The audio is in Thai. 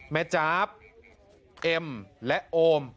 จ๊าบเอ็มและโอม